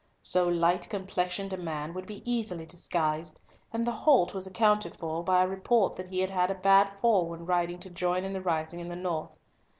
So light complexioned a man would be easily disguised, and the halt was accounted for by a report that he had had a bad fall when riding to join in the Rising in the North.